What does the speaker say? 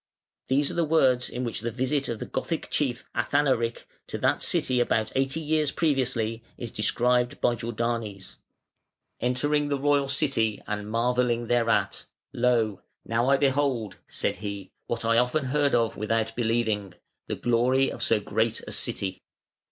These are the words in which the visit of the Gothic chief Athanaric to that city about eighty years previously is described by Jordanes: "Entering the royal city, and marvelling thereat, 'Lo! now I behold,' said he, 'what I often heard of without believing, the glory of so great a city.'